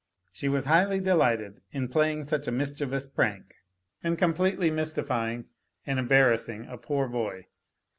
She was highly delighted in playing such a mischievous prank and completely mystifying and embarrassing a poor boy.